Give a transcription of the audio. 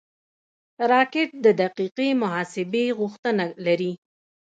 راکټ د دقیقې محاسبې غوښتنه لري